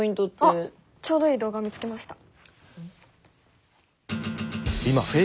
あっちょうどいい動画を見つけました。